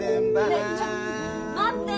ねえちょっと待って！